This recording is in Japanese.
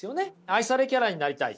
愛されキャラになりたい。